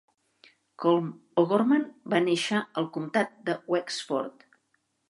Colm O'Gorman va néixer al comtat de Wexford.